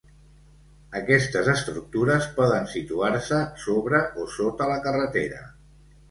Aquestes estructures poden situar-se sobre o sota la carretera.